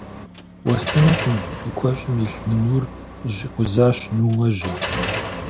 Уэстынукъым! – и куэщӀым илъ нынур зэщӀикъузащ ныуэжьым.